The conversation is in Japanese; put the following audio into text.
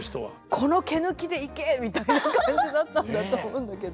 「この毛抜きでいけ」みたいな感じだったんだと思うんだけど。